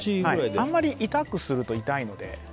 あんまり痛くすると痛いので。